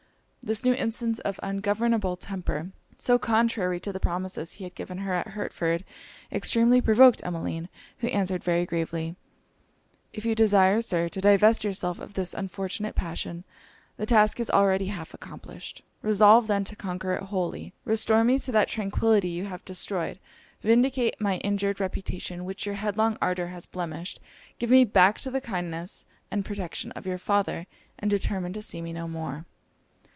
This new instance of ungovernable temper, so contrary to the promises he had given her at Hertford, extremely provoked Emmeline, who answered very gravely 'If you desire, Sir, to divest yourself of this unfortunate passion, the task is already half accomplished. Resolve, then, to conquer it wholly: restore me to that tranquillity you have destroyed vindicate my injured reputation, which your headlong ardour has blemished give me back to the kindness and protection of your father and determine to see me no more.'